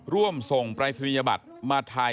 ร่วมส่งปรายศนียบัตรมาทาย